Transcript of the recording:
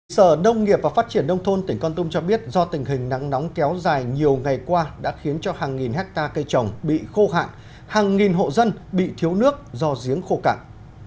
sở nông nghiệp và phát triển nông thôn tỉnh con tum cho biết do tình hình nắng nóng kéo dài nhiều ngày qua đã khiến cho hàng nghìn hectare cây trồng bị khô hạn hàng nghìn hộ dân bị thiếu nước do giếng khô cạn